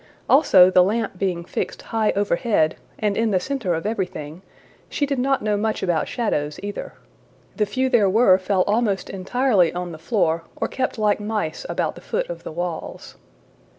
Also, the lamp being fixed high overhead, and in the center of everything, she did not know much about shadows either. The few there were fell almost entirely on the floor, or kept like mice about the foot of the walls.